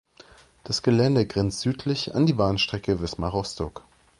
Das Gelände grenzt südlich an die Bahnstrecke Wismar–Rostock.